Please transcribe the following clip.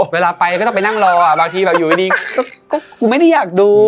เวลาไปก็ต้องไปนั่งรอบางทีแบบอยู่ดีก็กูไม่ได้อยากดู